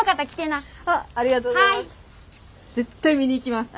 ありがとうございます。